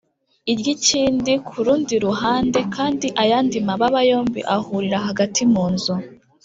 iry’ikindi ku rundi ruhande, kandi ayandi mababa yombi ahurira hagati mu nzu